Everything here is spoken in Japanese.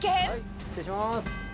失礼します。